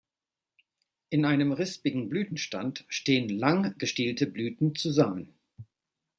In einem rispigen Blütenstand stehen lang gestielte Blüten zusammen.